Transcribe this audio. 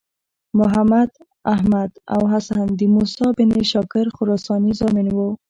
محمد، احمد او حسن د موسی بن شاګر خراساني زامن وو.